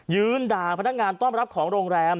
ยืนด่าพนักงานต้อนรับของโรงแรม